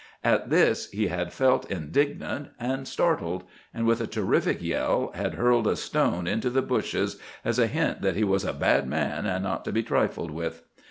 At this he had felt indignant and startled; and, with a terrific yell, had hurled a stone into the bushes as a hint that he was a bad man and not to be trifled with.